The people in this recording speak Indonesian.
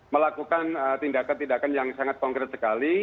melakukan tindakan tindakan yang sangat konkret sekali